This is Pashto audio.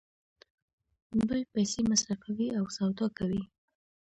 دوی پیسې مصرفوي او سودا کوي.